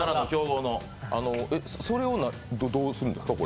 それをどうするんですか？